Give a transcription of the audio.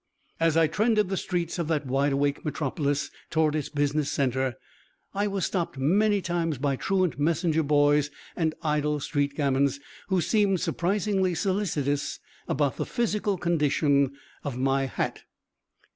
As I trended the streets of that wide awake metropolis toward its business center, I was stopped many times by truant messenger boys and idle street gamins, who seemed surprisingly solicitous about the physical condition of my hat.